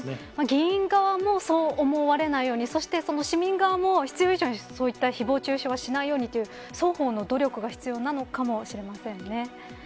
原因がそう思われないように市民側も必要以上にひぼう中傷しないようにという双方の努力が必要なのかもしれません。